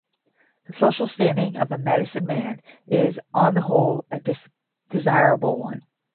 The social standing of a medicine-man is, on the whole, a desirable one.